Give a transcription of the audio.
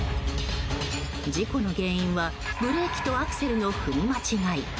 事故の原因は、ブレーキとアクセルの踏み間違い。